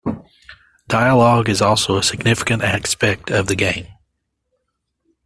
Dialogue is also a significant aspect of the game.